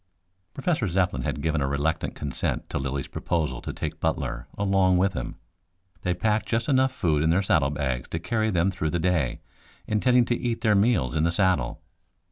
Professor Zepplin had given a reluctant consent to Lilly's proposal to take Butler, along with him. They packed just enough food in their saddle bags to carry them through the day, intending to eat their meals in the saddle.